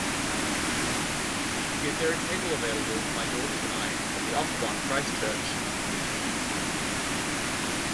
is there a table available for my daughters and I at The Octagon, Christchurch